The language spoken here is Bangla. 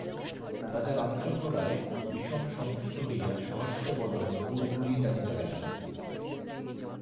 রাজা রামচন্দ্র রায় বিষম সন্তুষ্ট হইয়া সহাস্যবদনে গুড়গুড়ি টানিতে লাগিলেন।